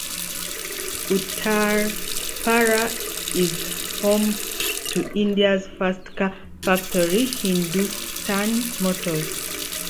Uttarpara is home to India's first car factory, Hindustan Motors.